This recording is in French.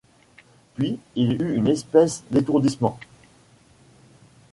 Puis il eut une espèce d’étourdissement.